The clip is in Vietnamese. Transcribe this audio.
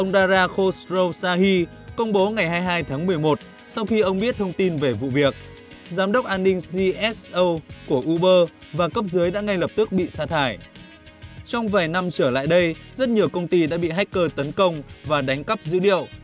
trong vài năm trở lại đây rất nhiều công ty đã bị hacker tấn công và đánh cắp dữ liệu